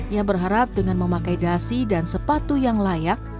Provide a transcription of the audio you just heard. ia berharap dengan memakai dasi dan sepatu yang layak